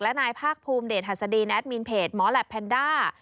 และนายภาคภูมิเดชหัสดีแอดมินเพจหมอแหลปแพนด้า